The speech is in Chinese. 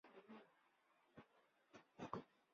布洛陀是壮族神话中的创世大神和男始祖。